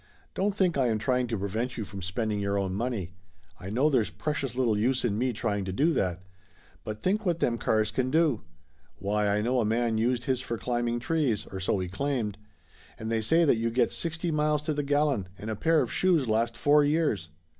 "Don't think I am trying to prevent you from spending your own money. I know there's precious little use in me trying to do that ! But think what them cars can do ! Why, I know a man used his for climbing trees, or so Laughter Limited 201 he claimed. And they say that you get sixty miles to the gallon, and a pair of shoes last four years."